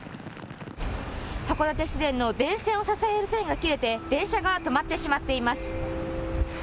函館市電の電線を支える線が切れて電車が止まってしまっています。